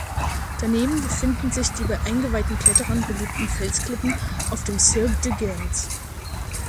Daneben befinden sich die bei eingeweihten Kletterern beliebten Felsklippen auf dem "Cirque de gens".